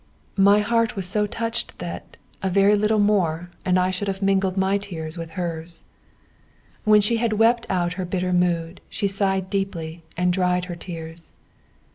My heart was so touched that, a very little more, and I should have mingled my tears with hers. When she had wept out her bitter mood, she sighed deeply, and dried her tears.